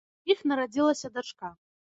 У іх нарадзілася дачка.